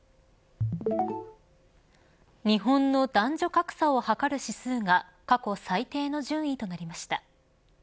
日本の男女格差を測る指数が過去最低の順位となりました。